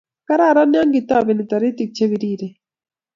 kararan ya kitobeni toritik che biriren